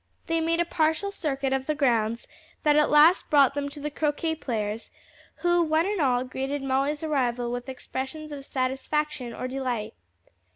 They made a partial circuit of the grounds that at last brought them to the croquet players, who, one and all, greeted Molly's arrival with expressions of satisfaction or delight.